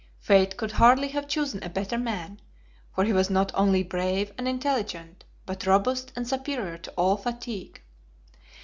Fate could hardly have chosen a better man, for he was not only brave and intelligent, but robust and superior to all fatigue.